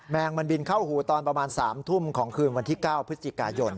งมันบินเข้าหูตอนประมาณ๓ทุ่มของคืนวันที่๙พฤศจิกายน